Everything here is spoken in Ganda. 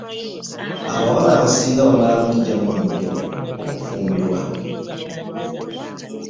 Abawala abasinga bamala muggyamu mbuto okufumbirwa.